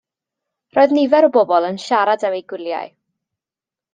Roedd nifer o bobl yn siarad am eu gwyliau.